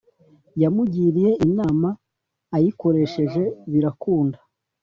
yamugiriye inama ayikoresheje birakunda